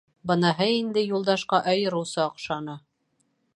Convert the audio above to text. Быныһы инде Юлдашҡа айырыуса оҡшаны.